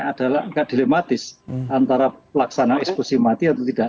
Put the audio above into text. agak dilematis antara pelaksanaan eksklusi mati atau tidak